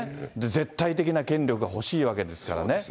絶対的な権力欲しいわけですからね。